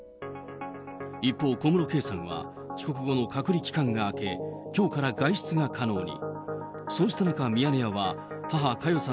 一方、小室圭さんは帰国後の隔離期間が明け、きょうから外出が可能に。